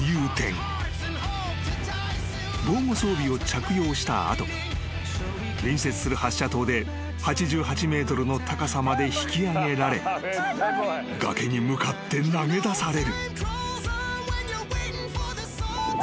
［防護装備を着用した後隣接する発射塔で８８ｍの高さまで引き上げられ崖に向かって投げ出される］